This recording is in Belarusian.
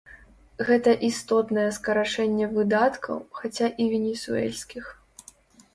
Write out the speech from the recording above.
Гэта істотнае скарачэнне выдаткаў, хаця і венесуэльскіх.